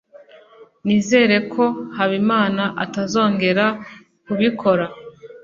nizere ko habimana atazongera kubikora